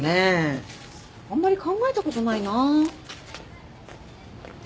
あんまり考えたことないな。